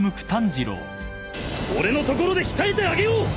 俺のところで鍛えてあげよう！